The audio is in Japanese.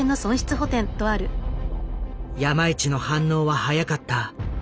山一の反応は早かった。